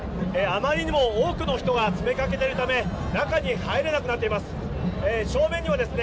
あまりにも多くの人が詰めかけているため中に入れなくなっています。